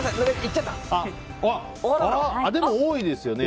でも多いですよね